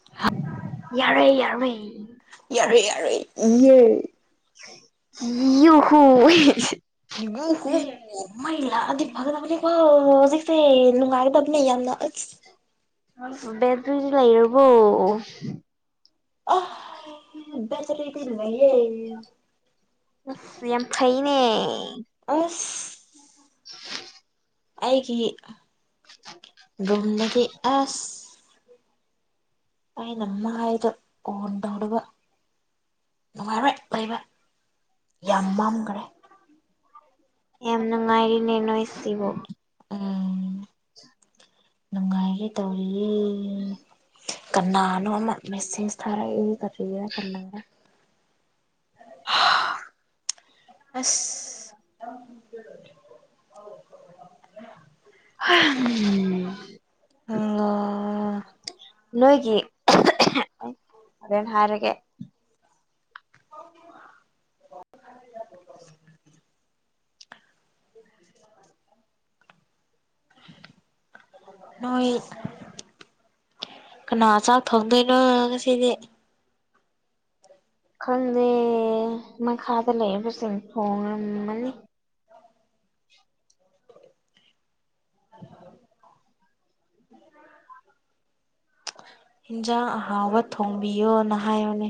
[unintelligible] ꯌꯥꯔꯣꯏꯦ ꯌꯥꯔꯣꯏ ꯌꯥꯔꯣꯏ ꯌꯥꯔꯣꯏ ꯏꯦ ꯏ ꯌꯨ ꯍꯨ [unintelligible] ꯃꯩꯂ ꯑꯗꯤ ꯐꯒꯗꯕ ꯍꯧꯖꯤꯛꯁꯦ ꯂꯅꯨꯡꯉꯥꯏꯒꯗꯕꯅꯦ ꯌꯥꯝꯅ ꯦ ꯇꯗꯤ ꯂꯩꯔꯔꯕꯣ ꯑ ꯂꯩꯌꯦ ꯑꯁ ꯌꯥꯝ ꯐꯩꯅꯦ ꯑꯐ [unintelligible] ꯑꯩꯒꯤ ꯔꯣꯨꯝꯗꯗꯤ ꯑꯁ ꯑꯩ ꯅꯃꯥꯏꯗ ꯀꯟꯣꯕ ꯋꯥꯕꯦ ꯂꯩꯕ ꯌꯥꯝ ꯃꯥꯡꯈ꯭ꯔꯦ ꯌꯥꯝꯅ ꯉꯥꯏꯔꯤꯅꯦꯅꯣꯣꯏ ꯁꯤꯕꯣ ꯑ ꯅꯨꯡꯉꯥꯏꯒꯦ ꯇꯧꯔꯤꯌꯦ ꯀꯅꯥꯅꯣ ꯑꯃ ꯃꯦꯁꯦꯁ ꯊꯥꯔꯛꯏ ꯁꯤꯦ ꯀꯉꯦ ꯑꯁ ꯑꯥꯎꯔꯦ ꯍ ꯎꯝ ꯑꯣ ꯅꯣꯏꯒꯤ ꯑꯩ ꯍꯣꯔꯦꯟ ꯍꯥꯏꯔꯒꯦ [unintelligible] [unintelligible] ꯅꯣꯏ ꯀꯅꯥ ꯆꯥꯛ ꯊꯣꯡꯗꯣꯏꯅꯣ ꯉꯁꯤꯗꯤ ꯈꯪꯗꯦ ꯃꯈꯥꯗ ꯂꯩꯕꯁꯤꯡ ꯊꯣꯉꯝꯃꯅꯤ ꯎ ꯎ ꯍꯟꯖꯥꯡ ꯑꯍꯥꯎꯕ ꯊꯣꯡꯕꯤꯌꯣꯅ ꯍꯥꯏꯌꯣꯅꯦ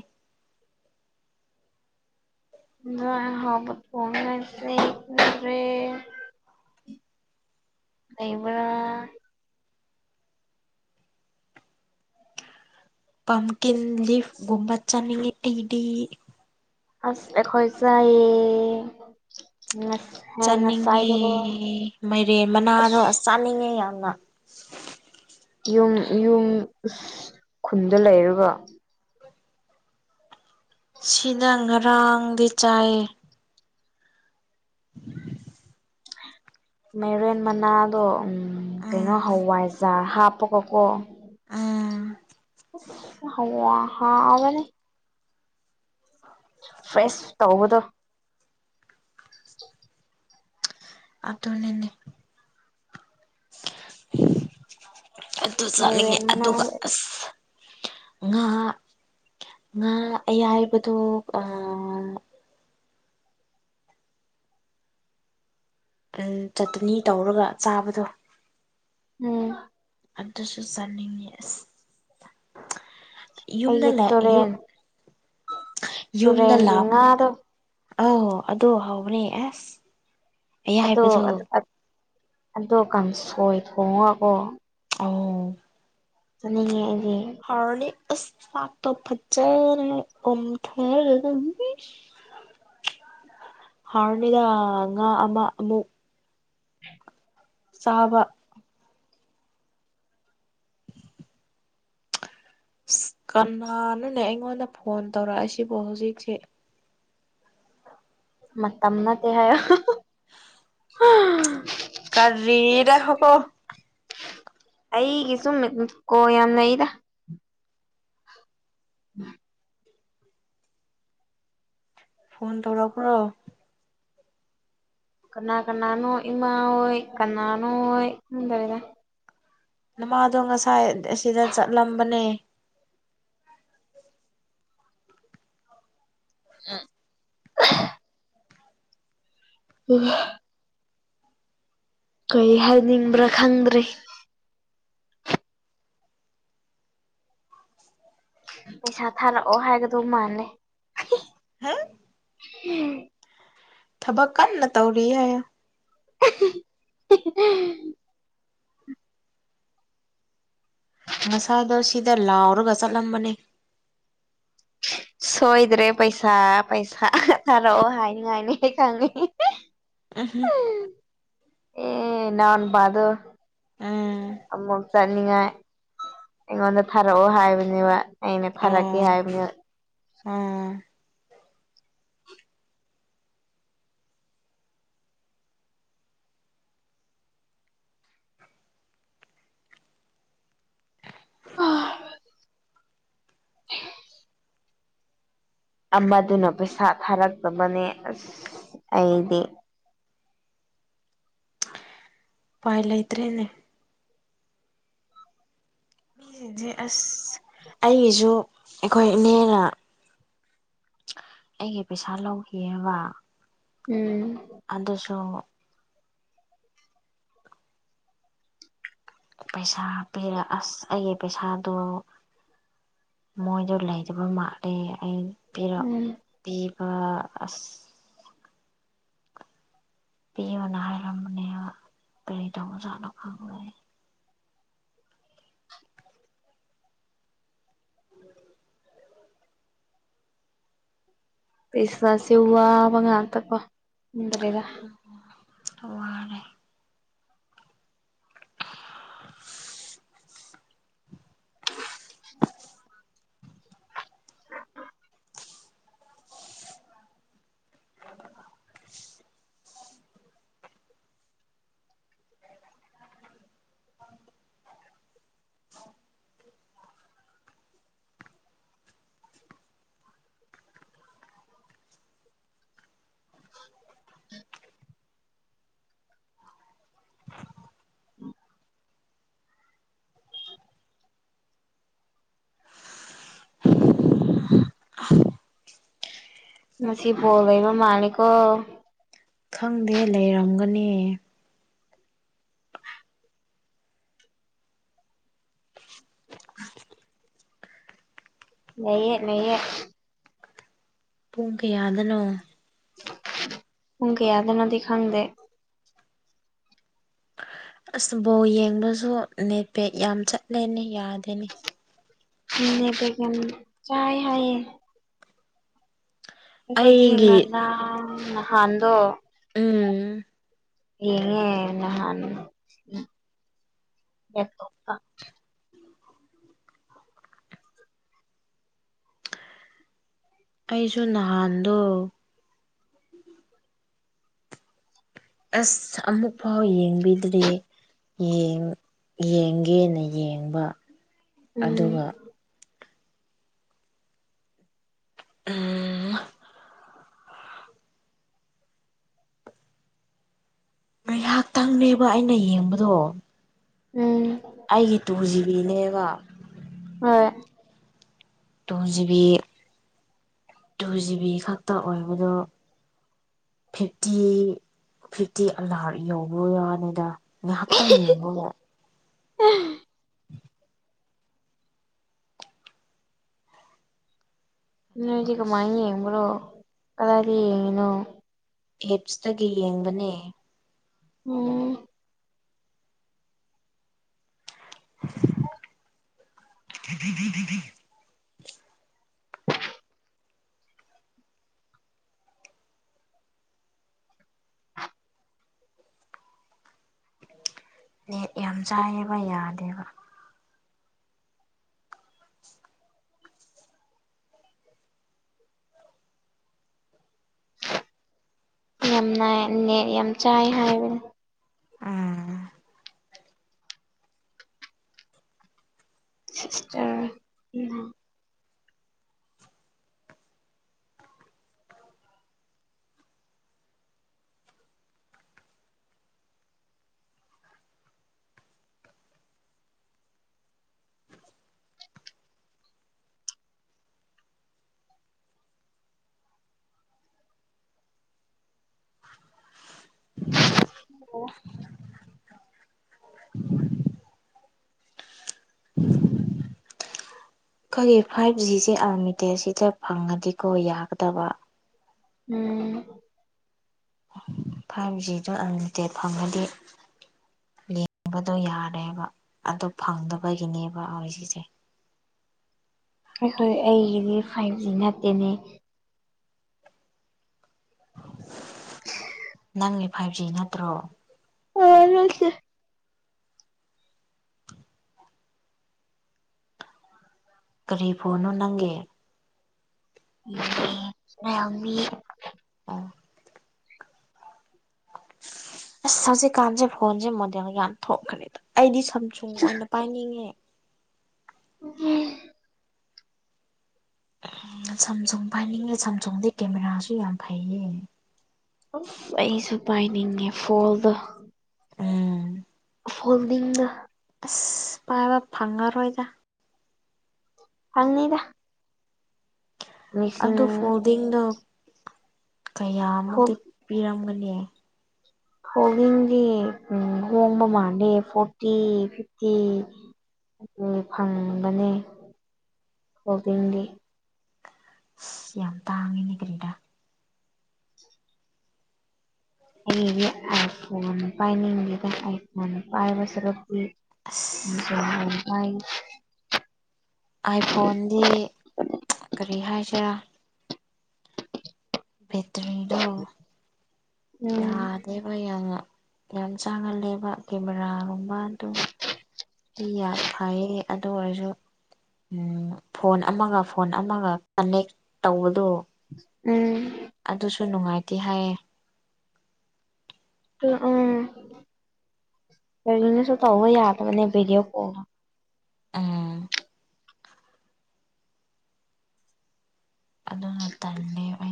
ꯍꯕꯦ ꯏꯕ꯭ꯔ ꯄꯝꯀꯤꯤꯟ ꯂꯤ ꯨꯝꯕꯠ ꯆ ꯏ ꯏꯗꯤ ꯐꯁꯇ ꯈꯣꯏꯖꯥꯏꯌꯦ ꯆꯥꯅꯤꯡꯉꯦ ꯃꯥꯏꯔꯦꯟ ꯃꯅꯥꯗꯣ ꯑꯁ ꯆꯥꯅꯤꯡꯉꯦ ꯌꯥꯝꯅ ꯌꯨꯝ ꯌꯨꯝ ꯈꯨꯟꯗ ꯂꯩꯔꯒ ꯁꯤꯅ ꯉꯔꯥꯡꯗꯤ ꯆꯥꯏꯌꯦ [unintelligible] ꯃꯥꯏꯔꯦꯟ ꯃꯅꯥꯗꯣ ꯀꯩꯅꯣ ꯎꯝ ꯍꯋꯥꯏꯖꯥꯔ ꯍꯥꯞꯄꯒꯀꯣ ꯎꯝ ꯍꯂ ꯍꯥ ꯃꯅꯤ ꯐ꯭ꯔꯦꯁ ꯇꯧꯕꯗꯣ ꯑꯗꯅꯅꯦ ꯑꯗꯨ ꯆꯠꯅꯤꯡꯉꯦ ꯃꯥꯏꯔꯦꯟ ꯑꯗꯨꯒ ꯃꯅꯥꯗꯣ ꯑꯁ ꯉꯥ ꯉꯥ ꯑꯌꯥꯕꯗꯨꯣ ꯑ ꯆꯇꯅꯤ ꯇꯧꯔꯒ ꯆꯥꯕꯗꯣ ꯎꯝ ꯑꯗꯨꯁꯨ ꯆꯥꯅꯤꯡꯉꯁ ꯌꯨꯝꯗ ꯑꯩꯒꯤ ꯂꯩ ꯌ ꯇꯨꯔꯦꯟ ꯌꯨꯝꯗ ꯇꯨꯔꯦꯟꯒꯤ ꯂꯥꯄꯅꯤꯅ ꯉꯥꯗꯣ ꯑ ꯑꯗꯨ ꯍꯥꯎꯕꯅꯦ ꯑꯦꯁ ꯑꯗꯣ ꯑꯗꯣ ꯀꯥꯡꯁꯣꯏ ꯊꯣꯡꯉꯀꯣ ꯑꯣ ꯆꯠꯅꯤꯡꯉꯦ ꯑꯩꯁꯦ ꯍꯔꯅꯤ ꯑꯁꯇ ꯐꯖꯔ ꯑꯣꯝꯊꯔ ꯍꯔꯅꯤꯗ ꯉ ꯑꯃ ꯑꯃꯨꯛ ꯆꯥꯕ ꯑ ꯀꯅꯥꯅꯅꯦ ꯑꯩꯉꯣꯟꯗ ꯐꯣꯟ ꯇꯧꯔꯛꯑꯁꯤꯕꯨ ꯍꯧꯖꯤꯛꯁꯦ ꯃꯇꯝꯅꯠꯇ ꯍꯥꯏꯌꯣ ꯀꯔꯤꯅꯤꯗ ꯍꯀꯣ ꯑꯩꯒꯤ ꯁꯨꯝ ꯀꯣ ꯌꯥꯝꯅ ꯑꯩꯗ [unintelligible] ꯐꯣꯟ ꯊꯧꯔꯛ ꯀ꯭ꯔꯣ ꯀꯅꯥ ꯀꯅꯥꯅꯣ ꯏꯃꯥ ꯑꯣꯏ ꯀꯅꯥꯅꯣ ꯑꯣꯏ ꯈꯪꯗꯕꯤꯗ ꯅꯃꯥꯗꯣ ꯉꯁꯥꯏ ꯑꯁꯤꯗ ꯆꯠꯂꯝꯕꯅꯦ ꯎꯝ ꯍ ꯀꯩ ꯍꯥꯏꯅꯤꯡꯕ꯭ꯔꯥ ꯈꯪꯗ꯭ꯔꯔꯤ ꯄꯩꯁꯥ ꯊꯥꯔꯛꯑꯣ ꯍꯥꯏꯒꯗꯣ ꯃꯥꯥꯟꯂꯩ ꯍꯥ ꯎꯝ ꯊꯕꯛ ꯀꯟꯅ ꯇꯧꯔꯤꯌꯦ [unintelligible] ꯉꯁꯥꯗꯣ ꯁꯤꯗ ꯂꯥꯎꯔꯒ ꯆꯠꯂꯝꯕꯅꯦ ꯁꯣꯏꯗ꯭ꯔꯦ ꯄꯩꯁꯥ ꯄꯩꯁꯥ ꯊꯥꯔꯛꯑꯣ ꯍꯥꯏꯅꯤ ꯍꯥꯏꯅꯤ ꯈꯪꯉꯦ ꯑ ꯑꯦ ꯅꯣꯟ ꯄ ꯑꯗꯨ ꯎꯝ ꯑꯃꯨꯛ ꯆꯠꯅꯤꯡꯉꯥꯏ ꯑꯩꯉꯣꯟꯗ ꯊꯥꯔꯛꯑꯣ ꯍꯥꯏꯕꯅꯦꯕ ꯑꯩꯅ ꯊꯥꯔꯛꯀꯦ ꯍꯥꯏꯕꯅꯦꯕ ꯎꯝ [unintelligible] [inaudible] ꯑꯃꯗꯨꯅ ꯄꯩꯁꯥ ꯊꯥꯔꯛꯇꯕꯅꯦ ꯑꯁ ꯑꯩꯗꯤ ꯎꯄꯥꯏ ꯂꯩꯇ꯭ꯔꯦꯅꯦ ꯏꯗꯤ ꯑꯁ ꯑꯩꯒꯤꯁꯨ ꯑꯩꯈꯣꯏ ꯏꯅꯦꯅ ꯑꯩꯒꯤ ꯄꯩꯁꯥ ꯂꯧꯈꯤꯌꯦꯕ ꯎꯝ ꯑꯗꯨꯁꯨ ꯄꯩꯁꯥ ꯄꯤꯔꯥ ꯑꯁ ꯑꯩꯒꯤ ꯄꯩꯁꯥꯗꯨ ꯃꯣꯏꯗ ꯂꯩꯔꯤꯕ ꯃꯥꯜꯂꯦ ꯑꯩ ꯄꯤꯔꯛ ꯎꯝ ꯄꯤꯕ ꯑꯁ ꯄꯤꯌꯨꯅꯥ ꯍꯥꯏꯔꯝꯕꯅꯦꯕ ꯀꯔꯤ ꯇꯧꯕꯖꯥꯠꯅꯣ ꯈꯪꯗꯦ ꯄꯩꯁꯥꯁꯦ ꯋꯥꯕ ꯉꯥꯛꯇꯥꯀꯣ ꯈꯪꯗ꯭ꯔꯦꯗꯥ ꯎꯝ ꯋꯥꯔꯦ [inaudible] [inaudible] [inaudible] [inaudible] [inaudible] [inaudible] ꯉꯁꯤ ꯕꯣꯜ ꯂꯩꯕꯥ ꯃꯥꯜꯂꯦꯀꯣ ꯈꯪꯗꯦ ꯂꯩꯔꯝꯒꯅꯤ ꯂꯩꯌꯦ ꯂꯩꯌꯦ ꯄꯨꯡ ꯀꯌꯥꯗꯅꯣ ꯄꯨꯡ ꯀꯌꯥꯗꯅꯣꯗꯤ ꯈꯪꯗꯦ ꯑꯁ ꯕꯣꯜ ꯌꯦꯡꯕꯖꯨ ꯅꯦꯠꯄꯦꯛ ꯌꯥꯝ ꯆꯠꯂꯦꯅꯦ ꯌꯥꯗꯦꯅꯦ ꯎꯝ ꯅꯦꯠꯄꯦꯛ ꯌꯥꯝ ꯆꯥꯏ ꯍꯥꯏꯌꯦ ꯑꯩꯈꯣꯏꯗꯤ ꯑꯩꯒꯤ ꯉꯔꯥꯡ ꯅꯍꯥꯟꯗꯣ ꯎꯝ [unintelligible] [unintelligible] ꯑꯩꯁꯨ ꯅꯍꯥꯟꯗꯣ ꯑꯁ ꯑꯃꯨꯛꯐꯥꯎ ꯌꯦꯡꯕꯤꯗ꯭ꯔꯤꯌꯦ ꯌꯦꯡ ꯌꯦꯡꯒꯦꯅ ꯌꯦꯡꯕꯥ ꯎꯝ ꯎꯝ ꯉꯥꯏꯍꯥꯛꯇꯪꯅꯦꯕ ꯑꯩꯅ ꯌꯦꯡꯕꯗꯣ ꯎꯝ ꯑꯩꯒꯤ ꯇꯨ ꯖꯤꯕꯤꯅꯦꯕ ꯍꯣꯏ ꯇꯨ ꯖꯤꯕꯤ ꯇꯨ ꯖꯤꯕꯤ ꯈꯛꯇ ꯑꯣꯏꯕꯗꯣ ꯐꯤꯞꯇꯤ ꯐꯤꯞꯇꯤ ꯑꯂꯥ꯭ꯔꯠ ꯌꯧꯕꯩ ꯋꯥꯅꯤꯗꯥ ꯉꯥꯏꯍꯥꯛꯇꯪ ꯌꯦꯡꯕꯕꯨ [unintelligible] ꯑꯗꯨꯒ ꯅꯣꯏꯗꯤ ꯀꯃꯥꯏꯅ ꯑꯁ ꯌꯦꯡꯕꯔꯣ ꯀꯗꯥꯏꯗ ꯌꯦꯡꯉꯤꯅꯣ ꯑꯦꯞꯁꯇꯒꯤ ꯌꯦꯡꯕꯅꯦ ꯎꯝ [unintelligible] ꯅꯦꯠ ꯌꯥꯝ ꯆꯥꯏꯌꯦꯕ ꯌꯥꯗꯦꯕ ꯫ ꯌꯥꯝ ꯅꯢ ꯅꯦꯠ ꯌꯥꯝ ꯆꯥꯏ ꯍꯥꯏꯕꯅꯦ ꯎꯝ ꯁꯤꯁꯇꯔ ꯎꯝ ꯑꯣ ꯑꯩꯈꯣꯏꯒꯤ ꯐꯥꯏꯚ ꯖꯤꯁꯦ ꯑꯔꯂꯤꯃꯤꯇꯦꯠ ꯁꯤꯗ ꯐꯪꯉꯗꯤꯀꯣ ꯌꯥꯒꯗꯕ ꯎꯝ ꯐꯥꯏꯚ ꯖꯤꯗꯣ ꯑꯟꯂꯤꯃꯤꯇꯦꯠ ꯐꯪꯒꯗꯤ ꯌꯦꯡꯕꯗꯣ ꯌꯥꯔꯦꯕ ꯑꯗꯨ ꯐꯪꯗꯕꯒꯤꯅꯦꯕ ꯑꯔ ꯁꯤꯁꯦ ꯑꯩꯈꯣꯏ ꯑꯩꯒꯤꯗꯤ ꯐꯥꯏꯚ ꯖꯤ ꯅꯠꯇꯦꯅꯦ ꯅꯪꯒꯤ ꯐꯥꯏꯚ ꯖꯤ ꯅꯠꯇ꯭ꯔꯣ ꯅꯠꯇꯦ ꯀꯔꯤ ꯐꯣꯟꯅꯣ ꯅꯪꯒꯤ [inaudible] ꯔꯦꯜꯃꯤ ꯑ ꯑꯁ ꯍꯧꯖꯤꯛꯀꯥꯟꯁꯦ ꯐꯣꯟꯁꯦ ꯃꯣꯗꯦꯜ ꯌꯥꯝ ꯊꯣꯛꯈ꯭ꯔꯦꯗ ꯑꯩꯗꯤ ꯁꯨꯡ ꯁꯝꯁꯨꯡ ꯑꯣꯏꯅ ꯄꯥꯏꯅꯤꯡꯉꯦ ꯎꯝ ꯁꯝꯁꯨꯡ ꯄꯥꯏꯅꯤꯡꯉꯦ ꯁꯝꯁꯨꯡꯗ ꯀꯦꯃꯦꯔꯥꯁꯨ ꯌꯥꯝ ꯐꯩꯌꯦ ꯑꯩꯁꯨ ꯄꯥꯏꯅꯤꯡꯉꯦ ꯐꯣꯜꯗꯣ ꯎꯝ ꯐꯣꯟꯗꯤꯡꯅ ꯑꯁ ꯄꯥꯏꯕ ꯐꯪꯉꯔꯣꯏꯗ ꯐꯪꯅꯤꯗ ꯑꯗꯣ ꯐꯣꯜꯗꯤꯡꯗꯣ ꯐꯣꯜ ꯀꯌꯥꯃꯨꯛꯇꯤ ꯄꯤꯔꯝꯒꯅꯤ ꯐꯣꯜꯗꯤꯡꯗꯤ ꯎꯝ ꯍꯣꯡꯕ ꯃꯥꯥꯟꯂꯦ ꯐꯣꯔꯇꯤ ꯐꯤꯞꯇꯤ ꯐꯪꯕꯅꯦ ꯐꯣꯜꯗꯤꯡꯗꯤ ꯑꯁ ꯌꯥꯝ ꯇꯥꯡꯉꯦꯅꯦ ꯀꯔꯤꯔ ꯑꯩꯒꯤꯗꯤ ꯑꯥꯏ ꯐꯣꯟ ꯄꯥꯏꯅꯤꯡꯗꯦꯗ ꯑꯥꯏ ꯐꯣꯟ ꯄꯥꯢꯕ ꯁꯔꯨꯛꯇꯤ ꯑꯁ [inaudible] ꯥ ꯑꯥꯏ ꯐꯣꯟꯗꯤ ꯀꯔꯤ ꯍꯥꯏꯁꯤꯔꯥ ꯕꯦꯇ꯭ꯔꯤꯗꯣ ꯎꯝ ꯌꯥꯗꯦꯕ ꯌꯥꯝꯅ ꯌꯥꯝ ꯆꯥꯒꯜꯂꯦꯕ ꯀꯦꯃꯦꯔꯥꯒꯨꯝꯕ ꯑꯗꯨꯝ ꯑꯩ ꯌꯥ ꯐꯩꯌꯦ ꯑꯗꯨ ꯑꯣꯏꯔꯁꯨ ꯎꯝ ꯐꯣꯟ ꯑꯃꯒ ꯐꯣꯟ ꯑꯃꯒ ꯀꯅꯦꯛ ꯇꯧꯕꯗꯨ ꯎꯝ ꯑꯗꯨꯁꯨ ꯅꯨꯡꯉꯥꯏꯇꯦ ꯍꯥꯏꯌꯦ ꯑꯗꯨ ꯎꯝ ꯀꯔꯤꯅꯁꯨ ꯇꯧꯕ ꯌꯥꯗꯕꯅꯦ ꯚꯤꯗꯤꯑꯣ ꯀꯣꯜ ꯑ ꯑꯗꯨꯅ ꯇꯜꯂꯦꯕ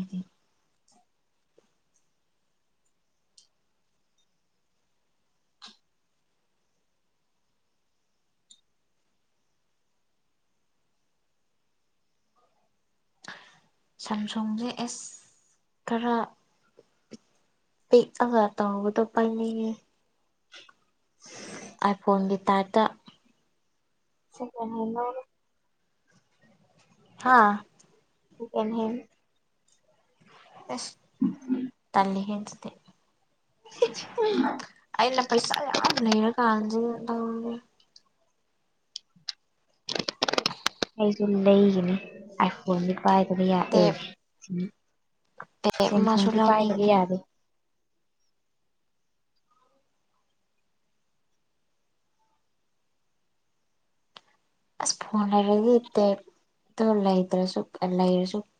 ꯁꯝꯁꯨꯡꯁꯦ ꯑꯦꯁ ꯈꯔ ꯄꯤꯛꯑꯒ ꯇꯧꯕꯗꯣ ꯄꯥꯏꯅꯤꯡꯉꯦ ꯑꯥꯏꯐꯣꯟꯒꯤ ꯇꯥꯏꯞꯇ ꯁꯦꯀꯦꯟꯍꯦꯟ ꯂꯧꯔꯣ ꯍꯥꯥ ꯁꯦꯀꯦꯟꯍꯦꯟ ꯑꯦꯁ ꯇꯜꯂꯤꯍꯦ ꯑꯗꯨꯗꯤ [unintelligible] ꯑꯩꯅ ꯄꯩꯁꯥ ꯌꯥꯝ ꯂꯩꯔ ꯀꯥꯟꯗ ꯇꯧꯒꯦ ꯑꯩꯁꯨ ꯂꯩꯒꯤꯅꯤ ꯑꯥꯏꯐꯣꯟꯗꯤ ꯄꯥꯏꯗꯅ ꯇꯦꯞ ꯌꯥꯗꯦꯁꯤꯅꯤ ꯇꯦꯛ ꯁꯦꯝ ꯑꯃꯁꯨ ꯊꯨꯡꯗꯤ ꯄꯥꯏꯗꯕ ꯂꯧꯅꯤꯡꯉꯦ ꯌꯥꯗ ꫪꯦ ꯑꯁ ꯐꯣꯟ ꯂꯩꯔꯗꯤ ꯇꯦꯞ ꯇꯣ ꯂꯩꯇ꯭ꯔꯁꯨ ꯑ ꯂꯩꯔꯁꯨ